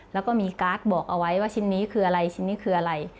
แล้วก็มีการ์ดบอกเอาไว้ว่าชิ้นนี้คืออะไรชิ้นนี้คืออะไร